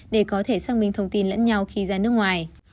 để có thể xác minh thông tin lẫn nhau khi ra nước ngoài